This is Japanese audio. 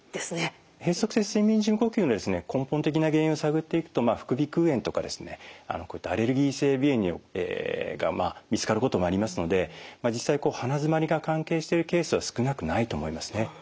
閉塞性睡眠時無呼吸の根本的な原因を探っていくと副鼻腔炎とかこういったアレルギー性鼻炎が見つかることもありますので実際鼻づまりが関係しているケースは少なくないと思いますね。